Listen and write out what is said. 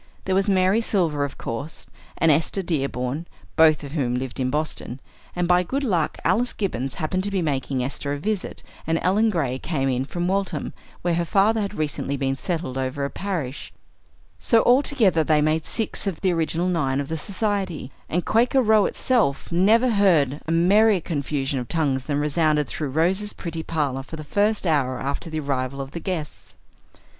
There was Mary Silver, of course, and Esther Dearborn, both of whom lived in Boston; and by good luck Alice Gibbons happened to be making Esther a visit, and Ellen Gray came in from Waltham, where her father had recently been settled over a parish, so that all together they made six of the original nine of the society; and Quaker Row itself never heard a merrier confusion of tongues than resounded through Rose's pretty parlor for the first hour after the arrival of the guests.